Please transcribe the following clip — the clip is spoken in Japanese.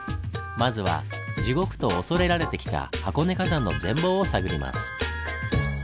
まずは地獄と恐れられてきた箱根火山の全貌を探ります。